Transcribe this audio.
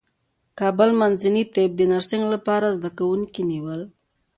کابل منځني طب د نرسنګ لپاره زدکوونکي نیول